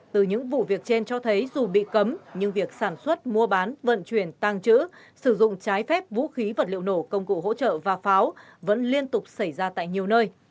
từ những vụ việc trên cho thấy dù bị cấm nhưng việc sản xuất mua bán vận chuyển tăng trữ sử dụng trái phép vũ khí vật liệu nổ công cụ hỗ trợ và pháo vẫn liên tục xảy ra tại nhiều nơi